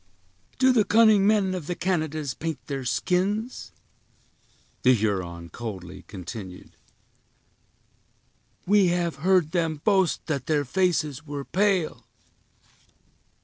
"Do the cunning men of the Canadas paint their skins?" the Huron coldly continued; "we have heard them boast that their faces were pale."